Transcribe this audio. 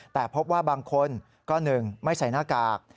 แต่พบว่าบางคนก็๑ไม่ใส่หน้ากาก